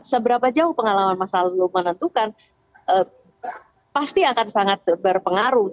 seberapa jauh pengalaman masa lalu menentukan pasti akan sangat berpengaruh